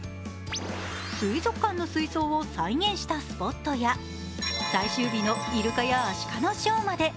水族館の水槽を再現したスポットや、最終日のイルカやアシカのショーまで。